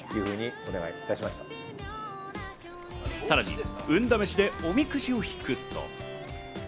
さらに運試しでおみくじを引くと。